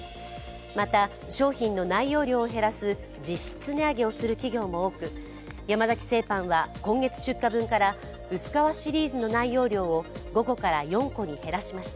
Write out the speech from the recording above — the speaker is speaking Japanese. また、商品の内容量を減らす実質値上げをする企業も多く山崎製パンは、今月出荷分から薄皮シリーズの内容量を、５個から４個に減らしました。